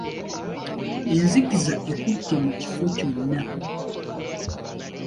Enzikiza ekutte mu kifo kyonna.